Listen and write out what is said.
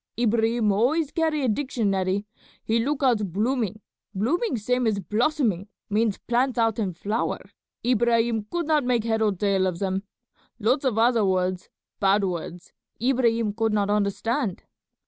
Ibrahim always carry a dictionary; he look out blooming; blooming same as blossoming, means plants out in flower. Ibrahim could not make head or tail of them. Lots of other words, bad words, Ibrahim could not understand."